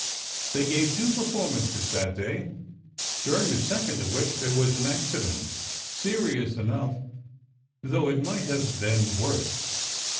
They gave two performances that day, during the second of which there was an accident—serious enough, though it might have been worse.